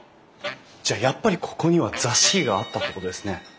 じゃあやっぱりここには座敷があったってことですね。